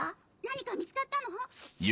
何か見つかったの？